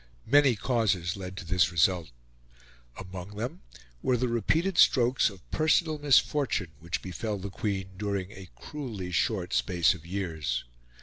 Many causes led to this result. Among them were the repeated strokes of personal misfortune which befell the Queen during a cruelly short space of years.